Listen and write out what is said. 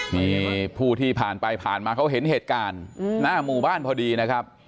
มีผู้ที่ผ่านไปผ่านมาเขาเห็นเหตุการณ์หน้าหมู่บ้านพอดีนะครับ